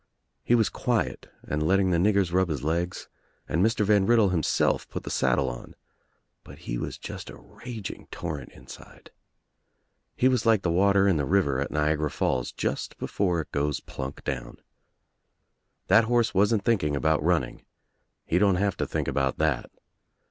He was quiet and letting the niggers rub his legs and Mr. Van Riddle himself put the saddle on, but he was just a raging torrent inside. He was like the water in the river at Niagara Falls just before its goes plunk down. That horse wasn't thinking about running. He don't have to think about that.